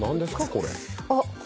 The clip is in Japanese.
これ。